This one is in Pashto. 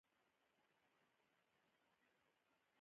د مراجعینو د پيسو د ویش پروسه منظمه ده.